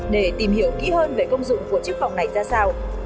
để tìm hiểu kỹ hơn về công dụng của chiếc phòng này ra sao